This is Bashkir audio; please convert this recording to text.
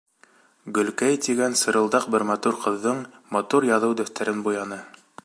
Гөлкәй тигән сырылдаҡ бер ҡыҙҙың матур яҙыу дәфтәрен буяны.